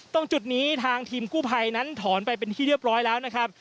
ตรงจุดนี้ทางทีมกู้ภัยนั้นถอนไปเป็นที่เรียบร้อยแล้วนะครับ